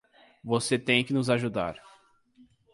Você tem que nos ajudar.